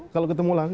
kalau ketemu langsung